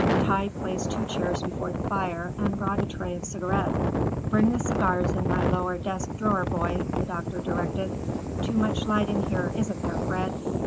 Tai placed two chairs before the fire and brought a tray of cigarettes. "Bring the cigars in my lower desk drawer, boy," the doctor directed. "Too much light in here, isn't there, Fred?